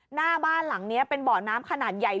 หน้าบ้านหลังนี้เป็นบ่อน้ำขนาดใหญ่